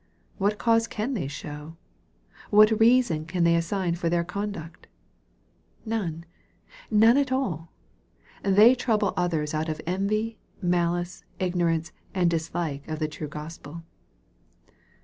What cause can they show ? W~hat reason can they assign for their conduct ? None ! none at all. They trouble others out of envy, malice, igno rance, and dislike of the true Gospel.